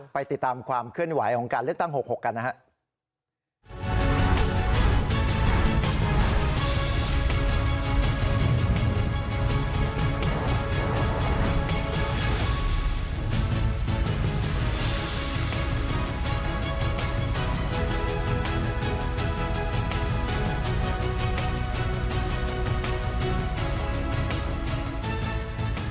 ไปติดตามความเคลื่อนไหวของการเลือกตั้ง๖๖กันนะครับ